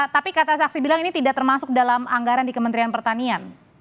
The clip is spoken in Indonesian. tapi kata saksi bilang ini tidak termasuk dalam anggaran di kementerian pertanian